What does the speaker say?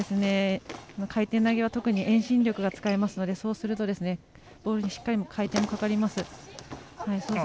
回転投げは特に遠心力を使いますのでそうすると、ボールにしっかり回転がかかります。